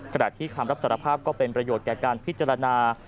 ขณะที่คำรับสารภาพก็เป็นประโยชน์แก่การพิจารณา